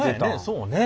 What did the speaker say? そうね。